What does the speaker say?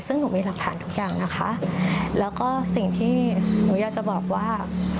ซึ่งหนูมีหลักฐานทุกอย่างนะคะแล้วก็สิ่งที่หนูอยากจะบอกว่า